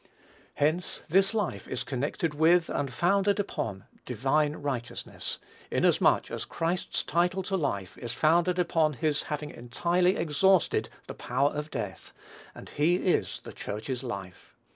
Hence, this life is connected with, and founded upon, divine righteousness, inasmuch as Christ's title to life is founded upon his having entirely exhausted the power of death; and he is the Church's life.